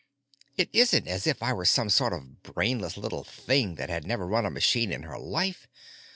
It isn't as if I were some sort of brainless little thing that had never run a machine in her life.